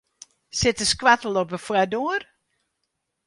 Sit de skoattel op de foardoar?